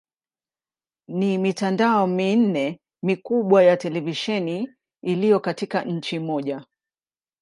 Ni mitandao minne mikubwa ya televisheni iliyo katika nchi moja.